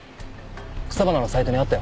草花のサイトにあったよ。